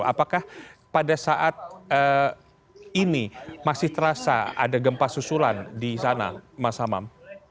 apakah pada saat ini masih terasa ada gempa susulan di sana mas hamam